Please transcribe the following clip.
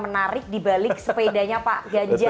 menarik dibalik sepedanya pak ganjar